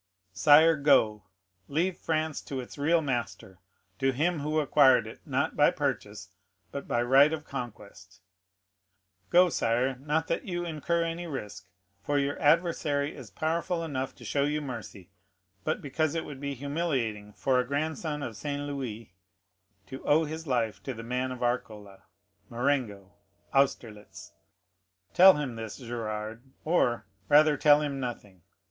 Sire, go, leave France to its real master, to him who acquired it, not by purchase, but by right of conquest; go, sire, not that you incur any risk, for your adversary is powerful enough to show you mercy, but because it would be humiliating for a grandson of Saint Louis to owe his life to the man of Arcola, Marengo, Austerlitz.' Tell him this, Gérard; or, rather, tell him nothing.